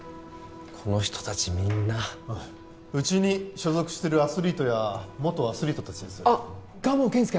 この人達みんなうちに所属してるアスリートや元アスリート達ですあ蒲生謙介！